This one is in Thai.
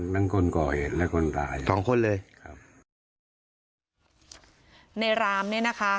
คนก่อเหตุและคนตายสองคนเลยครับในรามเนี้ยนะคะ